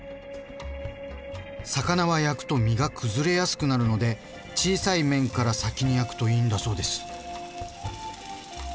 魚は焼くと身が崩れやすくなるので小さい面から先に焼くといいんだそうです。